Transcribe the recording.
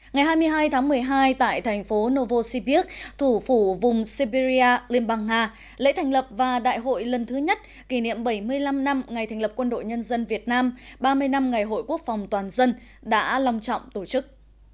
ngày hai mươi hai tháng một mươi hai tại thành phố novosibirk thủ phủ vùng siberia liên bang nga lễ thành lập và đại hội lần thứ nhất kỷ niệm bảy mươi năm năm ngày thành lập quân đội nhân dân việt nam ba mươi năm ngày hội quốc phòng toàn dân đã long trọng tổ chức